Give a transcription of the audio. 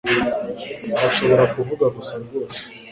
Arashobora kuvuga gusa rwose